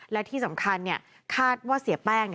และที่สำคัญคาดว่าเสียแป้ง